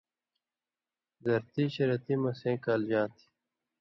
زرتی شریعتی مہ سیں کالژا تھی